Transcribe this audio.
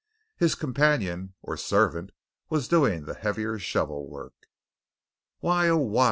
His companion, or servant, was doing the heavier shovel work. "Why, oh, why!"